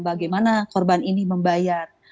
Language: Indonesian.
bagaimana korban ini membayar